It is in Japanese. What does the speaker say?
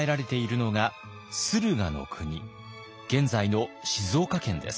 現在の静岡県です。